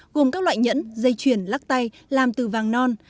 gồm các loại nhẫn dây chuyền lắc tay làm từ vàng non